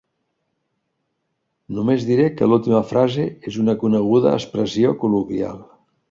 Només diré que l'última frase és una coneguda expressió col·loquial.